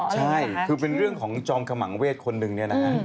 ใช่คือเป็นเรื่องของจอมขมังเวศคนหนึ่งเนี่ยนะฮะ